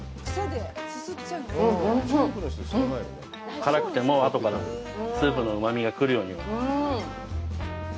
辛くても、後からスープのうまみが来るようには。